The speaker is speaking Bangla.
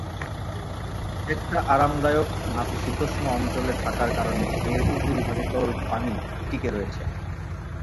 একটা আরামদায়ক, নাতিশীতোষ্ণ অঞ্চলে থাকার কারণে এর উপরিভাগে তরল পানি টিকে রয়েছে।